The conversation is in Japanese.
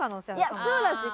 いやそうなんですよ。